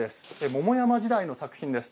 桃山時代の作品です。